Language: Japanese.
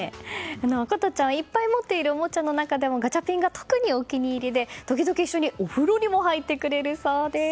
瑚音ちゃんはいっぱい持っているおもちゃの中でもガチャピンが特にお気に入りで時々、一緒にお風呂にも入ってくれるそうです。